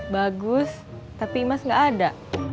bagus tapi imas gak ada